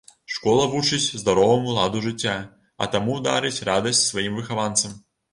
Школа вучыць здароваму ладу жыцця, а таму дарыць радасць сваім выхаванцам.